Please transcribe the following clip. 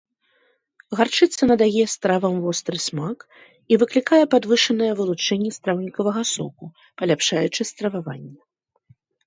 Гарчыца надае стравам востры смак і выклікае падвышанае вылучэнне страўнікавага соку, паляпшаючы страваванне.